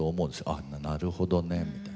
あっなるほどねみたいな。